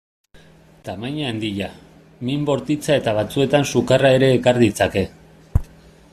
Tamaina handia, min bortitza eta batzuetan sukarra ere ekar ditzake.